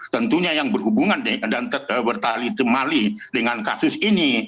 tentunya yang berhubungan dan bertali temali dengan kasus ini